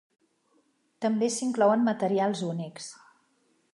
També s'inclouen materials únics.